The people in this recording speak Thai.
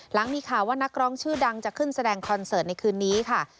หลังมีข่าวว่านักร้องชื่อดังจะขึ้นแสดงคอนเสิร์ตในคืนนี้ค่ะ